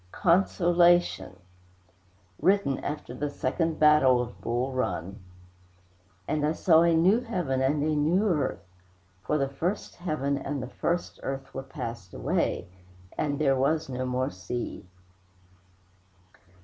CONSOLATION WRITTEN AFTER THE SECOND BATTLE OF BULL RUN "And I saw a new heaven and a new earth: for the first heaven and the first earth were passed away; and there was no more sea."